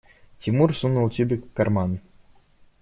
Тимур сунул тюбик в карман.